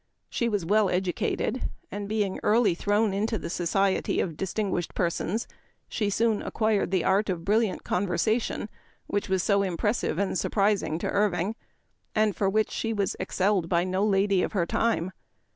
She was well educated, and, being early thrown into the society of distin guished persons, she soon acquired the art of brilliant conversation which was so impressive and surprising to Irving, and for which she was excelled by no lady of her time.